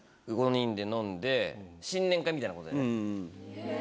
５人で飲んで、新年会みたいなことやって。